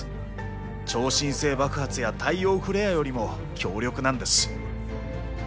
超新星爆発や太陽フレアよりも強力なんです。